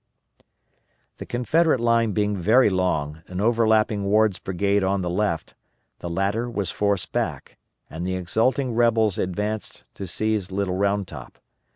The Confederate line being very long, and overlapping Ward's brigade on the left, the latter was forced back, and the exulting rebels advanced to seize Little Round Top.